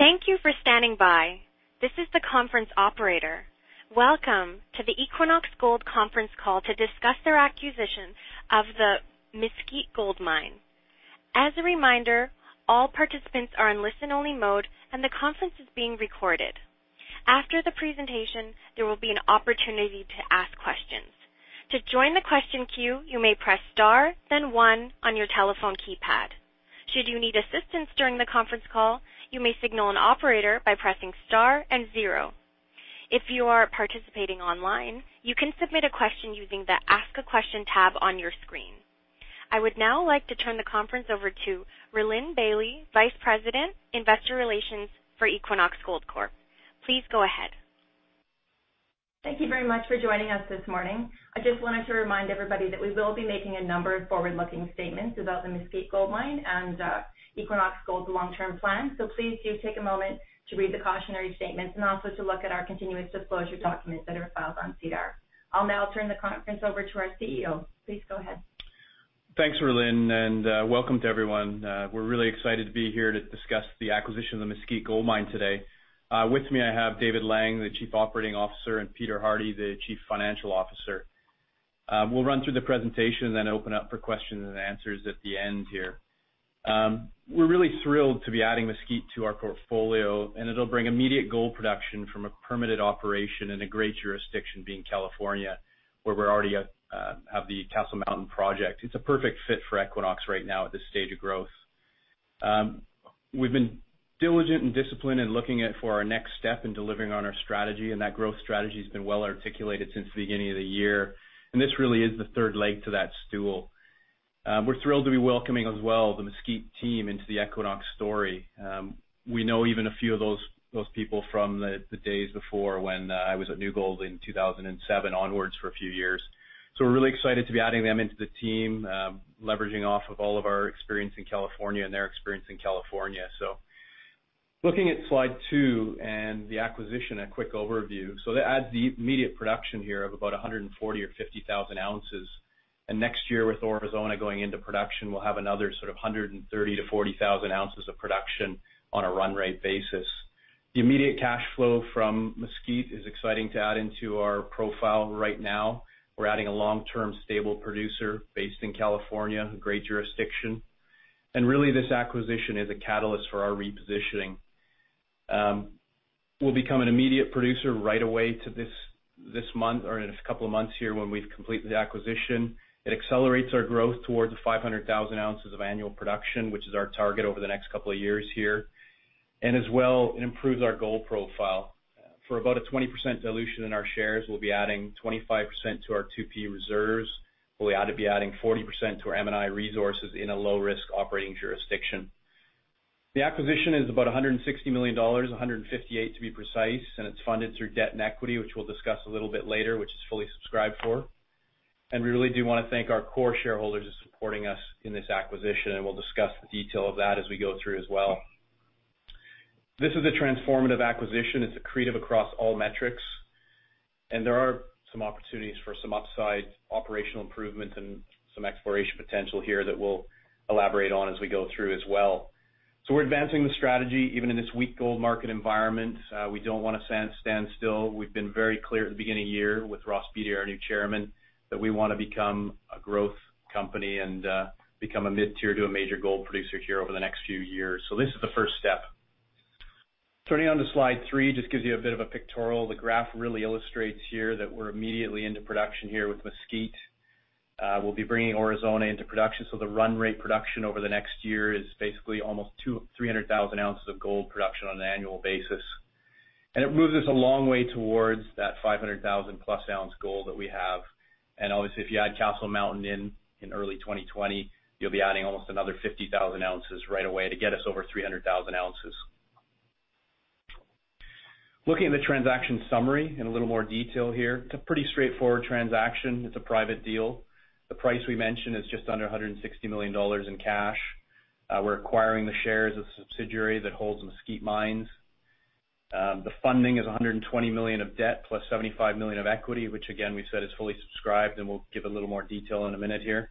Thank you for standing by. This is the conference operator. Welcome to the Equinox Gold conference call to discuss their acquisition of the Mesquite Gold Mine. As a reminder, all participants are in listen-only mode, and the conference is being recorded. After the presentation, there will be an opportunity to ask questions. To join the question queue, you may press star then one on your telephone keypad. Should you need assistance during the conference call, you may signal an operator by pressing star and zero. If you are participating online, you can submit a question using the Ask a Question tab on your screen. I would now like to turn the conference over to Rhylin Bailie, Vice President, Investor Relations for Equinox Gold Corp. Please go ahead. Thank you very much for joining us this morning. I just wanted to remind everybody that we will be making a number of forward-looking statements about the Mesquite Gold Mine and Equinox Gold's long-term plan. Please do take a moment to read the cautionary statements and also to look at our continuous disclosure documents that are filed on SEDAR. I'll now turn the conference over to our CEO. Please go ahead. Thanks, Rhylin. Welcome to everyone. We're really excited to be here to discuss the acquisition of the Mesquite Gold Mine today. With me, I have David Laing, the Chief Operating Officer, and Peter Hardie, the Chief Financial Officer. We'll run through the presentation, then open up for questions and answers at the end here. We're really thrilled to be adding Mesquite to our portfolio. It'll bring immediate gold production from a permitted operation in a great jurisdiction, being California, where we already have the Castle Mountain project. It's a perfect fit for Equinox right now at this stage of growth. We've been diligent and disciplined in looking at for our next step in delivering on our strategy. That growth strategy has been well articulated since the beginning of the year. This really is the third leg to that stool. We're thrilled to be welcoming as well the Mesquite team into the Equinox story. We know even a few of those people from the days before when I was at New Gold in 2007 onwards for a few years. We're really excited to be adding them into the team, leveraging off of all of our experience in California and their experience in California. Looking at slide two and the acquisition, a quick overview. That adds the immediate production here of about 140,000 or 150,000 ounces. Next year with Aurizona going into production, we'll have another sort of 130,000-140,000 ounces of production on a run rate basis. The immediate cash flow from Mesquite is exciting to add into our profile right now. We're adding a long-term stable producer based in California, a great jurisdiction. Really this acquisition is a catalyst for our repositioning. We'll become an immediate producer right away to this month or in a couple of months here when we've completed the acquisition. It accelerates our growth towards the 500,000 ounces of annual production, which is our target over the next couple of years here. As well, it improves our gold profile. For about a 20% dilution in our shares, we'll be adding 25% to our 2P reserves. We ought to be adding 40% to our M&I resources in a low-risk operating jurisdiction. The acquisition is about $160 million, $158 to be precise, and it's funded through debt and equity, which we'll discuss a little bit later, which is fully subscribed for. We really do want to thank our core shareholders in supporting us in this acquisition, and we'll discuss the detail of that as we go through as well. This is a transformative acquisition. It's accretive across all metrics, and there are some opportunities for some upside operational improvements and some exploration potential here that we'll elaborate on as we go through as well. We're advancing the strategy even in this weak gold market environment. We don't want to stand still. We've been very clear at the beginning of the year with Ross Beaty, our new chairman, that we want to become a growth company and become a mid-tier to a major gold producer here over the next few years. This is the first step. Turning on to slide three, just gives you a bit of a pictorial. The graph really illustrates here that we're immediately into production here with Mesquite. We'll be bringing Aurizona into production, so the run rate production over the next year is basically almost 300,000 ounces of gold production on an annual basis. It moves us a long way towards that 500,000-plus ounce gold that we have. Obviously, if you add Castle Mountain in in early 2020, you'll be adding almost another 50,000 ounces right away to get us over 300,000 ounces. Looking at the transaction summary in a little more detail here. It's a pretty straightforward transaction. It's a private deal. The price we mentioned is just under $160 million in cash. We're acquiring the shares of subsidiary that holds Mesquite mines. The funding is $120 million of debt plus $75 million of equity, which again, we said is fully subscribed, and we'll give a little more detail in a minute here.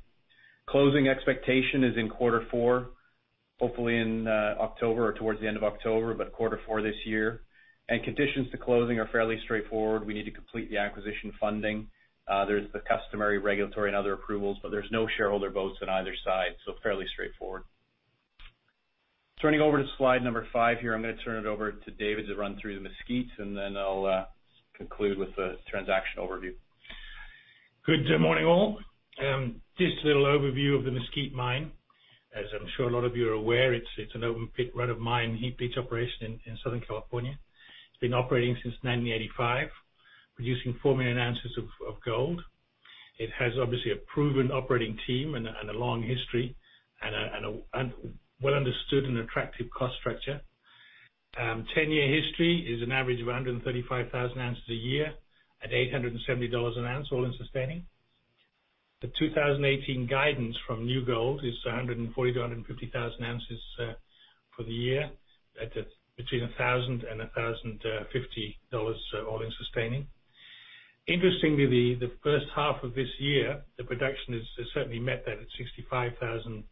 Closing expectation is in quarter four, hopefully in October or towards the end of October, but quarter four this year. Conditions to closing are fairly straightforward. We need to complete the acquisition funding. There's the customary regulatory and other approvals, but there's no shareholder votes on either side, so fairly straightforward. Turning over to slide number five here, I'm going to turn it over to David to run through the Mesquite, and then I'll conclude with the transaction overview. Good morning, all. Just a little overview of the Mesquite Mine. As I'm sure a lot of you are aware, it's an open pit, run-of-mine, heap leach operation in Southern California. It's been operating since 1985, producing 4 million ounces of gold. It has obviously a proven operating team and a long history and a well understood and attractive cost structure. 10-year history is an average of 135,000 ounces a year at $870 an ounce, all-in sustaining. The 2018 guidance from New Gold Inc. is 140,000-150,000 ounces for the year at between $1,000 and $1,050 all-in sustaining. Interestingly, the first half of this year, the production has certainly met that at 65,000 ounces,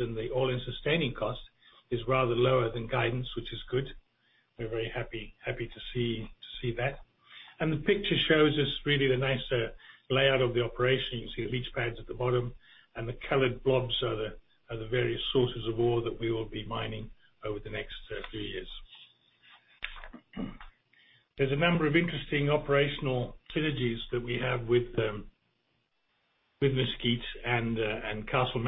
and the all-in sustaining cost is rather lower than guidance, which is good. We're very happy to see that. The picture shows us really the nice layout of the operation. You can see the leach pads at the bottom, and the colored blobs are the various sources of ore that we will be mining over the next few years. There's a number of interesting operational synergies that we have with Mesquite Mine and Castle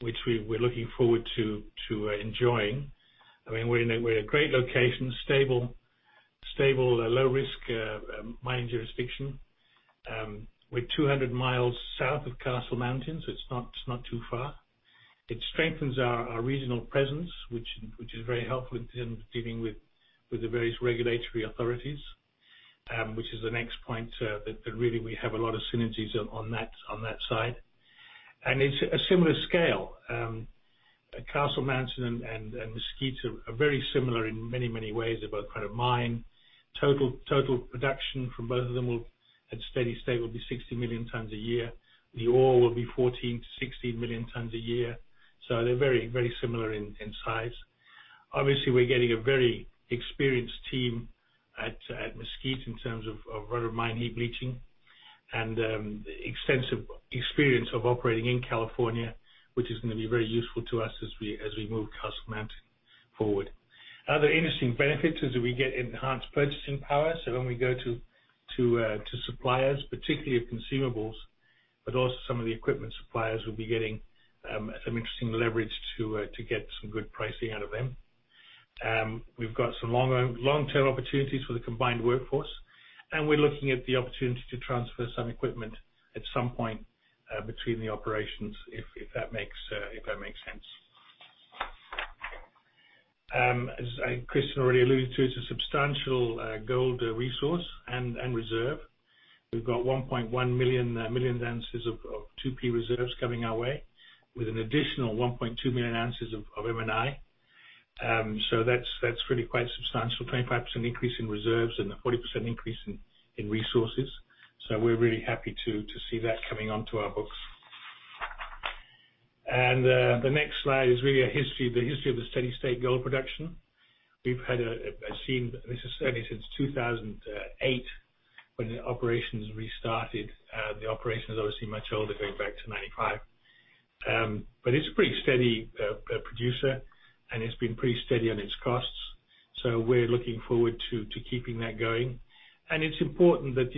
Mountain, which we're looking forward to enjoying. We're in a great location, stable, low risk mining jurisdiction. We're 200 mi south of Castle Mountain, so it's not too far. It strengthens our regional presence, which is very helpful in dealing with the various regulatory authorities, which is the next point that really we have a lot of synergies on that side. It's a similar scale. Castle Mountain and Mesquite Mine are very similar in many ways. They're both kind of mine. Total production from both of them at steady state will be 60 million tons a year. The ore will be 14 million tons-16 million tons a year. They're very similar in size. Obviously, we're getting a very experienced team at Mesquite Mine in terms of run-of-mine heap leaching and extensive experience of operating in California, which is going to be very useful to us as we move Castle Mountain forward. Other interesting benefits is that we get enhanced purchasing power. When we go to suppliers, particularly of consumables, but also some of the equipment suppliers will be getting some interesting leverage to get some good pricing out of them. We've got some long-term opportunities for the combined workforce, and we're looking at the opportunity to transfer some equipment at some point between the operations, if that makes sense. As Christian Milau already alluded to, it's a substantial gold resource and reserve. We've got 1.1 million ounces of 2P reserves coming our way with an additional 1.2 million ounces of M&I. That's really quite substantial, a 25% increase in reserves and a 40% increase in resources. We're really happy to see that coming onto our books. The next slide is really a history of the steady state gold production. We've had a scene, this is certainly since 2008 when the operations restarted. The operation is obviously much older, going back to 1995. It's a pretty steady producer, and it's been pretty steady on its costs. We're looking forward to keeping that going. It's important that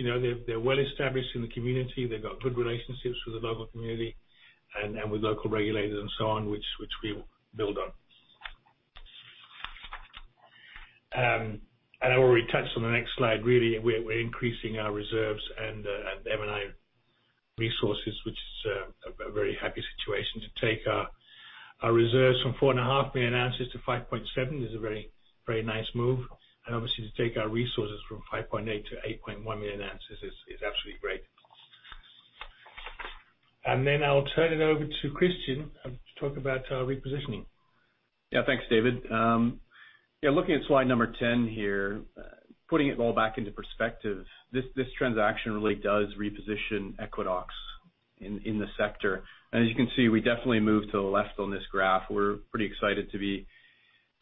they're well established in the community. They've got good relationships with the local community and with local regulators and so on, which we will build on. I already touched on the next slide, really, we're increasing our reserves and M&I resources, which is a very happy situation to take our reserves from 4.5 million ounces to 5.7 million ounces is a very nice move. Obviously to take our resources from 5.8 million ounces to 8.1 million ounces is absolutely great. I'll turn it over to Christian to talk about repositioning. Yeah. Thanks, David. Looking at slide number 10 here, putting it all back into perspective, this transaction really does reposition Equinox in the sector. As you can see, we definitely moved to the left on this graph. We're pretty excited to be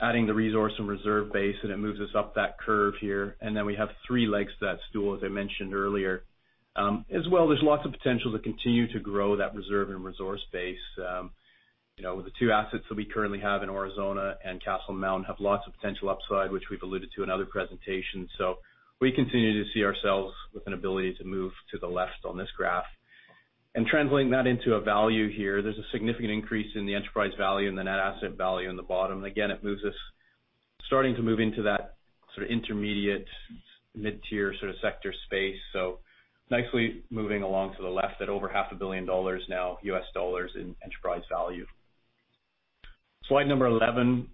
adding the resource and reserve base, and it moves us up that curve here. We have three legs to that stool, as I mentioned earlier. As well, there's lots of potential to continue to grow that reserve and resource base. The two assets that we currently have in Aurizona and Castle Mountain have lots of potential upside, which we've alluded to in other presentations. We continue to see ourselves with an ability to move to the left on this graph. Translating that into a value here, there's a significant increase in the enterprise value and the net asset value in the bottom. Again, it moves us starting to move into that sort of intermediate, mid-tier sort of sector space. Nicely moving along to the left at over half a billion dollars now, US dollars in enterprise value. Slide number 11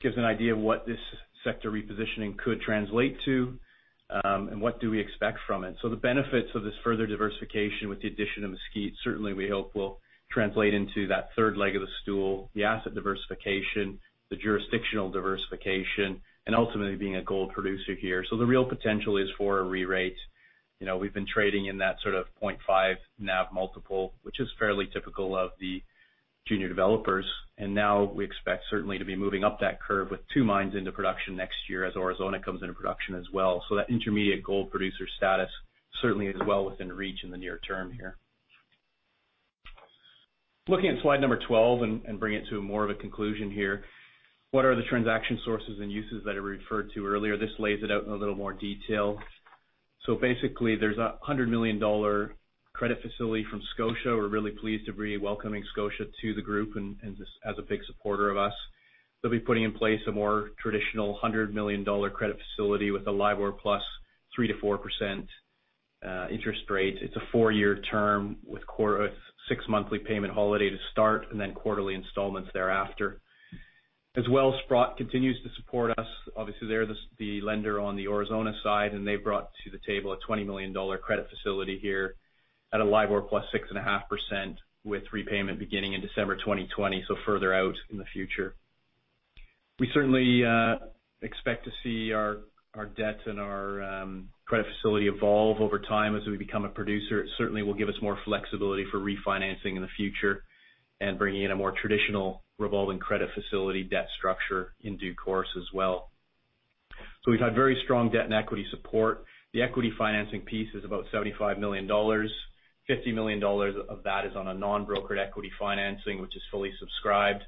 gives an idea of what this sector repositioning could translate to and what do we expect from it. The benefits of this further diversification with the addition of Mesquite, certainly we hope will translate into that third leg of the stool, the asset diversification, the jurisdictional diversification, and ultimately being a gold producer here. The real potential is for a re-rate. We've been trading in that sort of 0.5 NAV multiple, which is fairly typical of the junior developers. Now we expect certainly to be moving up that curve with two mines into production next year as Aurizona comes into production as well. That intermediate gold producer status certainly is well within reach in the near term here. Looking at slide number 12 and bring it to more of a conclusion here. What are the transaction sources and uses that I referred to earlier? This lays it out in a little more detail. Basically there's a $100 million credit facility from Scotia. We're really pleased to be welcoming Scotia to the group and as a big supporter of us. They'll be putting in place a more traditional $100 million credit facility with a LIBOR plus 3%-4% interest rate. It's a 4-year term with six monthly payment holiday to start and then quarterly installments thereafter. As well, Sprott continues to support us. They're the lender on the Aurizona side, and they brought to the table a $20 million credit facility here at a LIBOR plus 6.5% with repayment beginning in December 2020, so further out in the future. We certainly expect to see our debt and our credit facility evolve over time as we become a producer. It certainly will give us more flexibility for refinancing in the future and bringing in a more traditional revolving credit facility debt structure in due course as well. We've had very strong debt and equity support. The equity financing piece is about $75 million. $50 million of that is on a non-brokered equity financing, which is fully subscribed.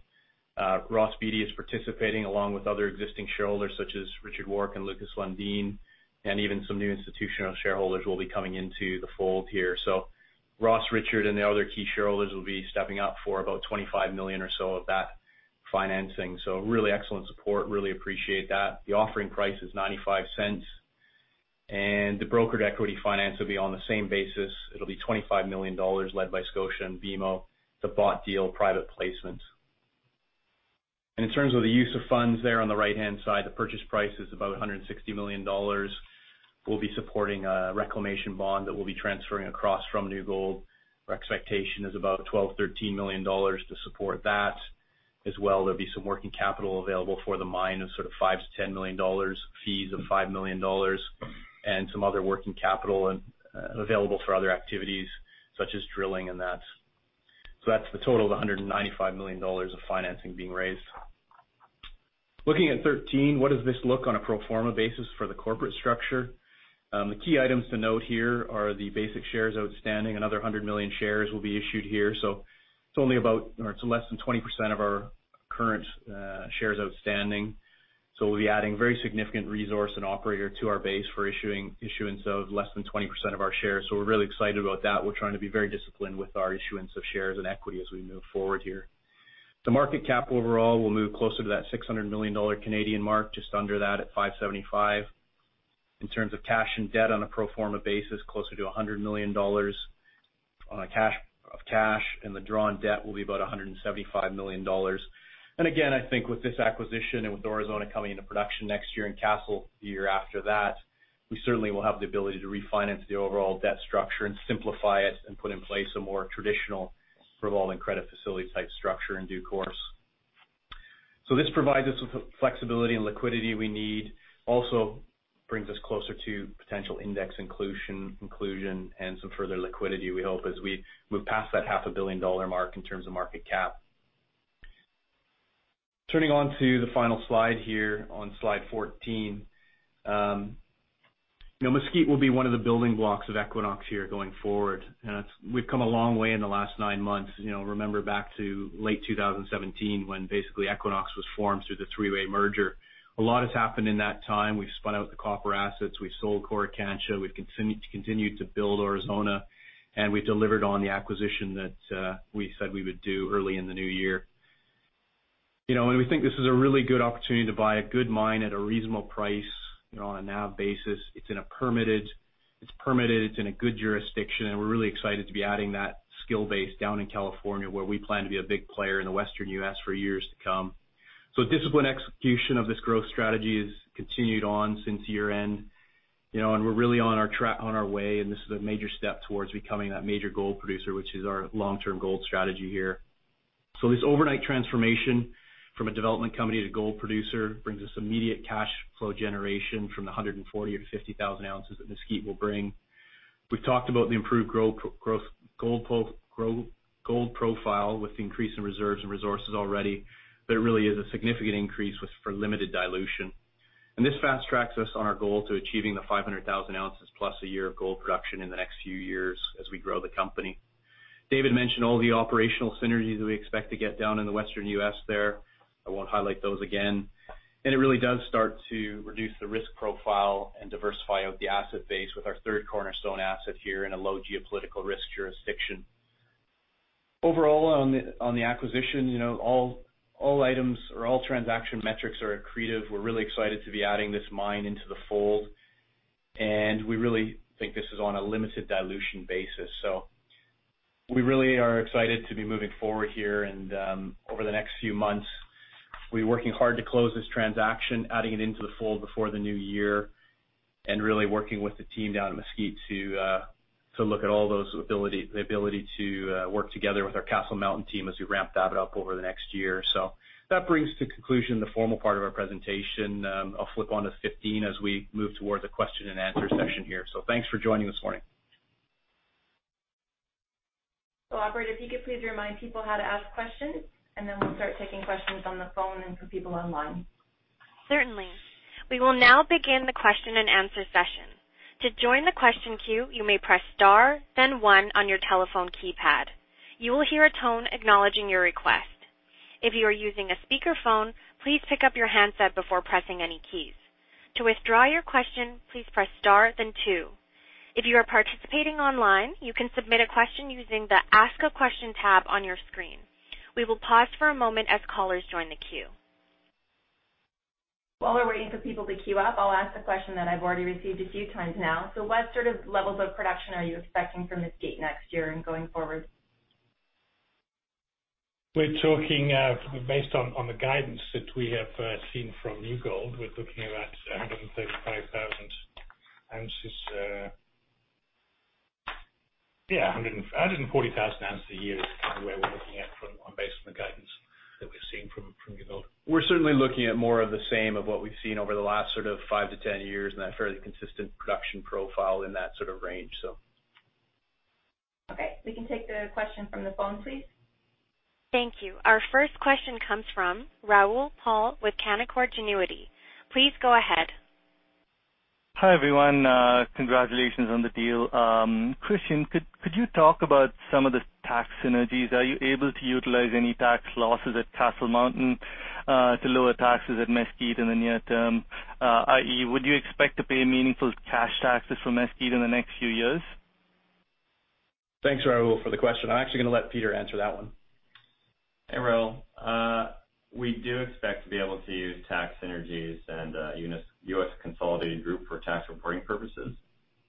Ross Beaty is participating along with other existing shareholders such as Richard Warke and Lukas Lundin, and even some new institutional shareholders will be coming into the fold here. Ross, Richard, and the other key shareholders will be stepping up for about $25 million or so of that financing. Really excellent support, really appreciate that. The offering price is $0.95, and the brokered equity finance will be on the same basis. It'll be $25 million led by Scotiabank and BMO, it's a bought deal private placement. In terms of the use of funds there on the right-hand side, the purchase price is about $160 million. We'll be supporting a reclamation bond that we'll be transferring across from New Gold. Our expectation is about $12 million-$13 million to support that as well. There'll be some working capital available for the mine of sort of 5 million-$10 million, fees of $5 million, and some other working capital available for other activities such as drilling and that. That's the total of $195 million of financing being raised. Looking at 13, what does this look on a pro forma basis for the corporate structure? The key items to note here are the basic shares outstanding. Another 100 million shares will be issued here, so it's less than 20% of our current shares outstanding. We'll be adding very significant resource and operator to our base for issuance of less than 20% of our shares. We're really excited about that. We're trying to be very disciplined with our issuance of shares and equity as we move forward here. The market cap overall will move closer to that 600 million Canadian dollars mark, just under that at 575 million. In terms of cash and debt on a pro forma basis, closer to $100 million of cash, and the drawn debt will be about $175 million. Again, I think with this acquisition and with Aurizona coming into production next year and Castle the year after that, we certainly will have the ability to refinance the overall debt structure and simplify it and put in place a more traditional revolving credit facility type structure in due course. This provides us with the flexibility and liquidity we need. Also brings us closer to potential index inclusion, and some further liquidity we hope as we move past that half a billion dollar mark in terms of market cap. Turning on to the final slide here on slide 14. Mesquite will be one of the building blocks of Equinox here going forward, and we've come a long way in the last nine months. Remember back to late 2017 when basically Equinox was formed through the three-way merger. A lot has happened in that time. We've spun out the copper assets, we've sold Coricancha, we've continued to build Aurizona, and we've delivered on the acquisition that we said we would do early in the new year. We think this is a really good opportunity to buy a good mine at a reasonable price on a NAV basis. It's permitted, it's in a good jurisdiction, and we're really excited to be adding that skill base down in California where we plan to be a big player in the Western U.S. for years to come. Disciplined execution of this growth strategy has continued on since year-end, and we're really on our way, and this is a major step towards becoming that major gold producer, which is our long-term gold strategy here. This overnight transformation from a development company to gold producer brings us immediate cash flow generation from the 140 to 50,000 ounces that Mesquite will bring. We've talked about the improved gold profile with the increase in reserves and resources already, but it really is a significant increase for limited dilution. This fast-tracks us on our goal to achieving the 500,000 ounces plus a year of gold production in the next few years as we grow the company. David mentioned all the operational synergies that we expect to get down in the Western U.S. there. I won't highlight those again. It really does start to reduce the risk profile and diversify out the asset base with our third cornerstone asset here in a low geopolitical risk jurisdiction. Overall, on the acquisition, all items or all transaction metrics are accretive. We're really excited to be adding this mine into the fold, and we really think this is on a limited dilution basis. We really are excited to be moving forward here and over the next few months, we'll be working hard to close this transaction, adding it into the fold before the new year, and really working with the team down in Mesquite to look at all those, the ability to work together with our Castle Mountain team as we ramp that up over the next year. That brings to conclusion the formal part of our presentation. I'll flip on to 15 as we move towards the question and answer section here. Thanks for joining this morning. Operator, if you could please remind people how to ask questions, and then we'll start taking questions on the phone and for people online. Certainly. We will now begin the question and answer session. To join the question queue, you may press star then one on your telephone keypad. You will hear a tone acknowledging your request. If you are using a speakerphone, please pick up your handset before pressing any keys. To withdraw your question, please press star then two. If you are participating online, you can submit a question using the Ask a Question tab on your screen. We will pause for a moment as callers join the queue. While we're waiting for people to queue up, I'll ask the question that I've already received a few times now. What sort of levels of production are you expecting from Mesquite next year and going forward? We're talking based on the guidance that we have seen from New Gold, we're looking at about 135,000 ounces. Yeah. 140,000 ounces a year is kind of where we're looking at from based on the guidance that we're seeing from New Gold. We're certainly looking at more of the same of what we've seen over the last sort of five to 10 years, and that fairly consistent production profile in that sort of range. Okay, we can take the question from the phone, please. Thank you. Our first question comes from Rahul Paul with Canaccord Genuity. Please go ahead. Hi, everyone. Congratulations on the deal. Christian, could you talk about some of the tax synergies? Are you able to utilize any tax losses at Castle Mountain, to lower taxes at Mesquite in the near term? Would you expect to pay meaningful cash taxes for Mesquite in the next few years? Thanks, Rahul, for the question. I'm actually going to let Peter answer that one. Hey, Rahul. We do expect to be able to use tax synergies and a U.S. consolidated group for tax reporting purposes,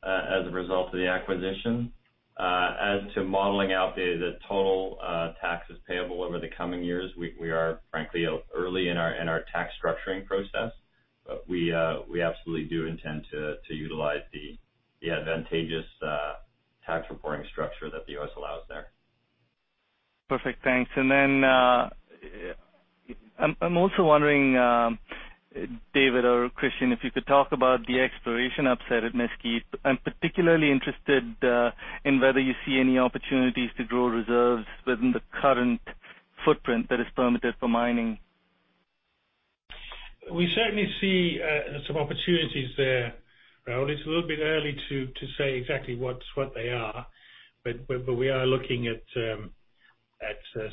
as a result of the acquisition. As to modeling out the total taxes payable over the coming years, we are frankly early in our tax structuring process, we absolutely do intend to utilize the advantageous tax reporting structure that the U.S. allows there. Perfect, thanks. Then, I'm also wondering, David or Christian, if you could talk about the exploration upside at Mesquite. I'm particularly interested in whether you see any opportunities to grow reserves within the current footprint that is permitted for mining. We certainly see some opportunities there, Rahul. It's a little bit early to say exactly what they are, we are looking at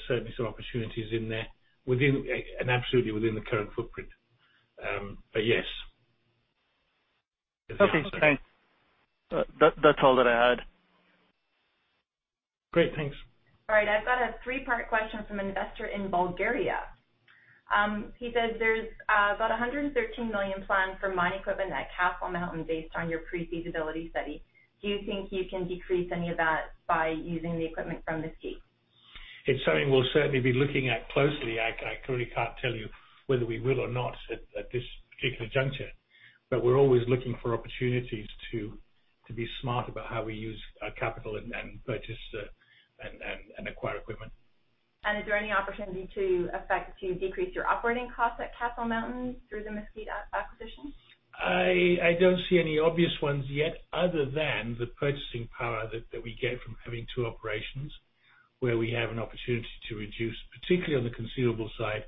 certainly some opportunities in there, absolutely within the current footprint. Yes. Okay, thanks. That's all that I had. Great, thanks. All right, I've got a three-part question from an investor in Bulgaria. He says, "There's about 113 million planned for mine equipment at Castle Mountain based on your pre-feasibility study. Do you think you can decrease any of that by using the equipment from Mesquite? It's something we'll certainly be looking at closely. I clearly can't tell you whether we will or not at this particular juncture, but we're always looking for opportunities to be smart about how we use capital and purchase, and acquire equipment. Is there any opportunity to effect to decrease your operating costs at Castle Mountain through the Mesquite acquisition? I don't see any obvious ones yet other than the purchasing power that we get from having two operations, where we have an opportunity to reduce, particularly on the consumable side,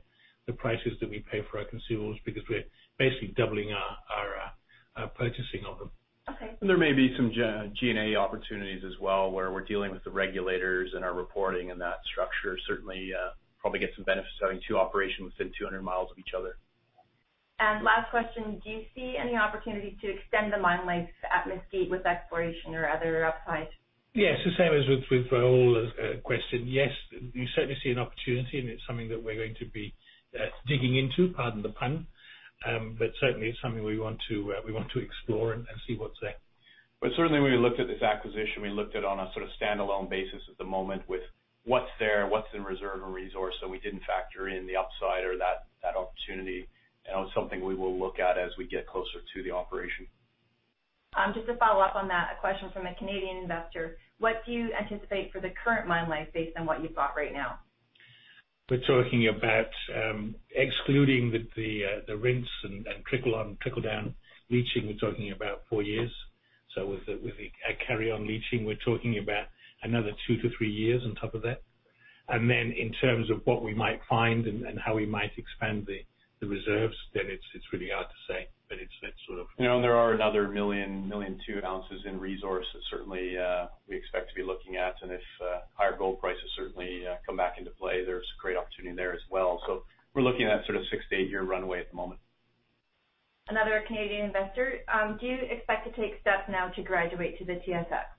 the prices that we pay for our consumables because we're basically doubling our purchasing of them. Okay. There may be some G&A opportunities as well, where we're dealing with the regulators and our reporting and that structure certainly probably get some benefits of having two operations within 200 miles of each other. Last question, do you see any opportunity to extend the mine life at Mesquite with exploration or other upside? Yes, the same as with Rahul's question. Yes, we certainly see an opportunity, and it's something that we're going to be digging into, pardon the pun. Certainly it's something we want to explore and see what's there. Certainly when we looked at this acquisition, we looked at it on a sort of standalone basis at the moment with what's there, what's in reserve and resource. We didn't factor in the upside or that opportunity. It's something we will look at as we get closer to the operation. Just to follow up on that, a question from a Canadian investor. What do you anticipate for the current mine life based on what you've got right now? We're talking about excluding the rinse and trickle-down leaching, we're talking about four years. With the carry-on leaching, we're talking about another two to three years on top of that. In terms of what we might find and how we might expand the reserves, it's really hard to say, but it's that sort of. There are another million two ounces in resource that certainly we expect to be looking at. If higher gold prices certainly come back into play, there's great opportunity there as well. We're looking at sort of six to eight-year runway at the moment. Another Canadian investor. Do you expect to take steps now to graduate to the TSX?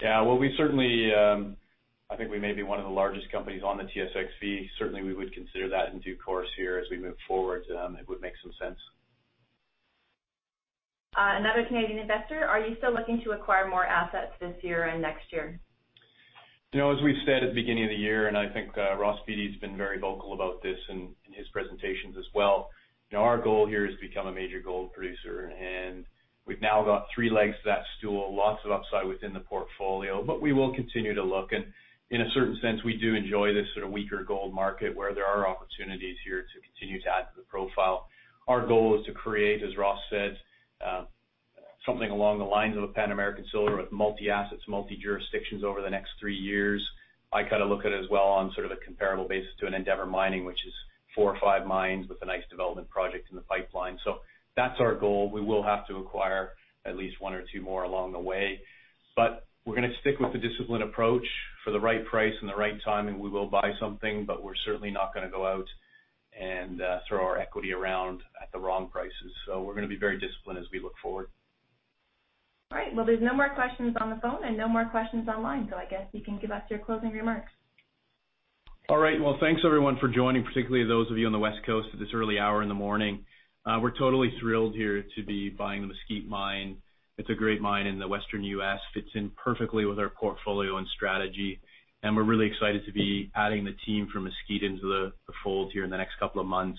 Yeah. Well, we certainly, I think we may be one of the largest companies on the TSXV. Certainly, we would consider that in due course here as we move forward. It would make some sense. Another Canadian investor. Are you still looking to acquire more assets this year and next year? As we've said at the beginning of the year, I think Ross Beaty's been very vocal about this in his presentations as well, our goal here is to become a major gold producer. We've now got three legs to that stool, lots of upside within the portfolio. We will continue to look and in a certain sense, we do enjoy this sort of weaker gold market where there are opportunities here to continue to add to the profile. Our goal is to create, as Ross said, something along the lines of a Pan American Silver with multi-assets, multi-jurisdictions over the next three years. I kind of look at it as well on sort of a comparable basis to an Endeavour Mining, which is four or five mines with a nice development project in the pipeline. That's our goal. We will have to acquire at least one or two more along the way. We're going to stick with the disciplined approach. For the right price and the right timing, we will buy something. We're certainly not going to go out and throw our equity around at the wrong prices. We're going to be very disciplined as we look forward. All right. Well, there's no more questions on the phone and no more questions online. I guess you can give us your closing remarks. All right. Well, thanks everyone for joining, particularly those of you on the West Coast at this early hour in the morning. We're totally thrilled here to be buying the Mesquite Mine. It's a great mine in the Western U.S., fits in perfectly with our portfolio and strategy. We're really excited to be adding the team from Mesquite into the fold here in the next couple of months.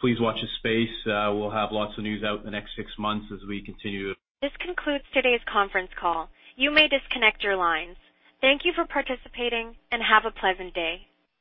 Please watch this space. We'll have lots of news out in the next six months. This concludes today's conference call. You may disconnect your lines. Thank you for participating and have a pleasant day.